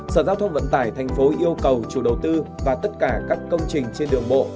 sở giao thông vận tải thành phố yêu cầu chủ đầu tư và tất cả các công trình trên đường bộ